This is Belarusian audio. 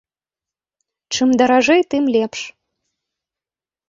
Чым даражэй, тым лепш.